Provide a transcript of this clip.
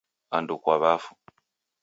Andu kwa wafu